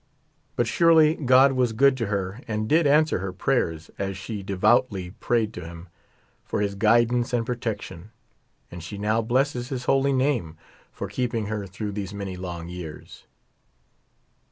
But surely God was good to her and did answer her prayers, as she de voutly prayed to Him for His guidance and protection, and she now blesses His Holy Name for keeping her through these many long years.